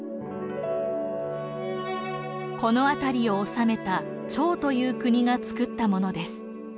この辺りを治めた趙という国がつくったものです。